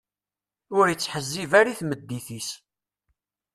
Ur ittḥezzib ara i tmeddit-is.